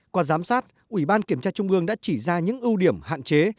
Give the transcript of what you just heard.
qua giám sát ủy ban kiểm tra trung ương đã chỉ ra những ưu điểm hạn chế